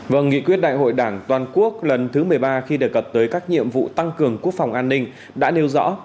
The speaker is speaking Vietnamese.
và nghị quyết đại hội đảng toàn quốc lần thứ một mươi ba khi đề cập tới các nhiệm vụ tăng cường quốc phòng an ninh đã nêu rõ